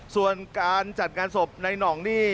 ส่วนการจัดงานศพในหน่องนี่